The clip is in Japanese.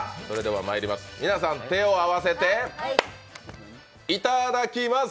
皆さん、手を合わせていただきます！